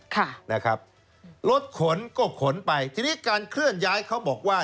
ค่ะนะครับรถขนก็ขนไปทีนี้การเคลื่อนย้ายเขาบอกว่า